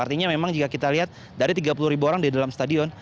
artinya memang jika kita lihat dari tiga puluh ribu orang di dalam stadion